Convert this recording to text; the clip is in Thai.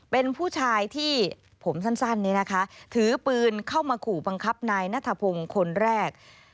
เป็นผู้ชายที่ผมสั้นนี้นะคะถือปืนเข้ามาขู่บังคับนายนัทพงศ์คนแรก